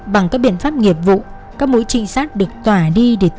bằng các biện pháp nghiệp vụ các mũi trị sát được tỏa đi để tiêu diệt